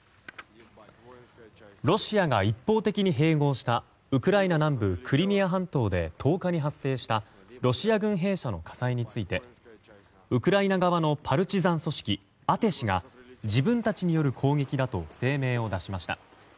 ロシアが一方的に併合したウクライナ南部クリミア半島で１０日に発生したロシア軍兵舎の火災についてウクライナ側のパルチザン組織アテシが自分たちによる攻撃だと声明を出しました。